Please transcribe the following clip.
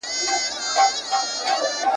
الواته کیږي په زور د وزرونو !.